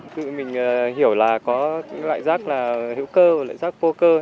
tụi mình hiểu là có những loại rác là hữu cơ hoặc là rác vô cơ